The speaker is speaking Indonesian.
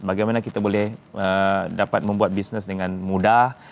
bagaimana kita boleh dapat membuat bisnis dengan mudah